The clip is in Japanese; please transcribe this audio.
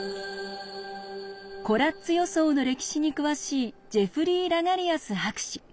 コラッツ予想の歴史に詳しいジェフリー・ラガリアス博士。